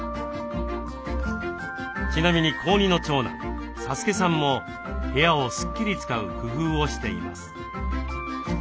ちなみに高２の長男颯恭さんも部屋をスッキリ使う工夫をしています。